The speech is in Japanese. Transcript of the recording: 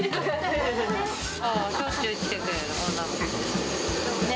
しょっちゅう来てくれる女の子。